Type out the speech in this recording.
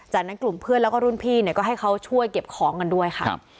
จากนั้นกลุ่มเพื่อนแล้วก็รุ่นพี่เนี่ยก็ให้เขาช่วยเก็บของกันด้วยค่ะ